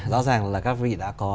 rõ ràng là các vị đã có